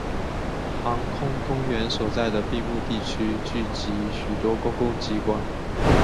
航空公园所在的并木地区聚集许多公共机关。